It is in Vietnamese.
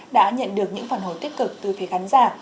đã nhận được những phản hồi tích cực từ phía khán giả